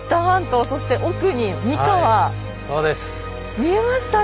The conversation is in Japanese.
見えましたね！